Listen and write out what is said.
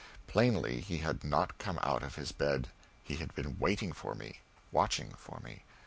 Plainly he had not come out of his bed: he had been waiting for me, watching for me.